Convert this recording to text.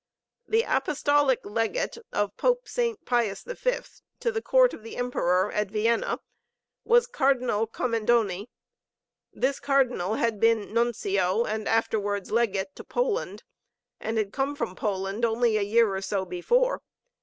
The Apostolic Legate of Pope Saint Pius V to the court of the Emperor at Vienna was Cardinal Commendoni. This Cardinal had been Nuncio, and afterwards Legate, to Poland, and had come from Poland only a year or so before.